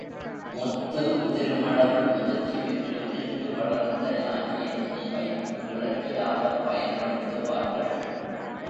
முத்து உதிருமளவு முதிர்ச்சி பெற்று, நீண்டு வளர்ந்த யானையின் கொம்பை உலக்கையாகப் பயன்படுத்துவார்கள்.